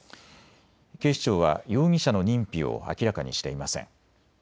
警視庁は容疑者の認否を明らかにしていません。